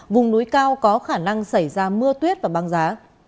vùng núi cao có khả năng xảy ra mưa tuyết và băng giá